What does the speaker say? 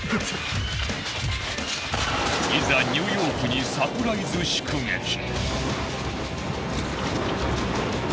いざニューヨークにサプライズ祝撃。